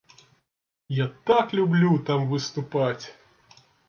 Я так люблю там выступаць!